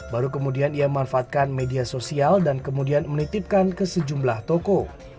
baru kemudian ia memanfaatkan media sosial dan kemudian menitipkan ke sejumlah toko